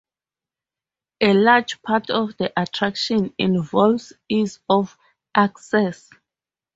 A large part of the attraction involves ease of access.